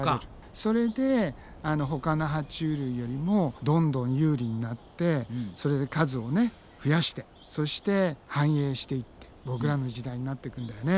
それでほかのは虫類よりもどんどん有利になってそれで数を増やしてそして繁栄していってボクらの時代になっていくんだよね。